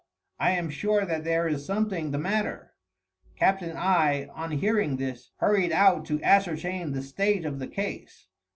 I am sure that there is something the matter." Captain I on hearing this hurried out to ascertain the state of the case.